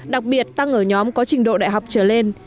đặc biệt tăng ở nhóm có trình độ đại học trở lên